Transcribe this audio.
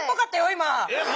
今。